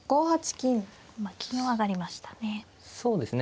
今金を上がりましたね。